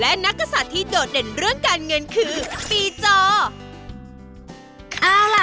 และนักกษัตริย์ที่โดดเด่นเรื่องการเงินคือปีจอ